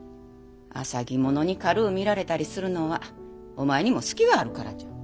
浅葱者に軽う見られたりするのはお前にも隙があるからじゃ。